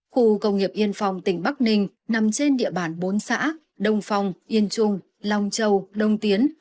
khu công nghiệp yên phong tỉnh bắc ninh nằm trên địa bàn bốn xã đông phong yên trung long châu đông tiến